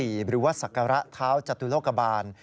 หรือว่าศักระเท้าจตุโลกบาล